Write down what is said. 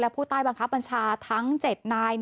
ผู้ใต้บังคับบัญชาทั้ง๗นาย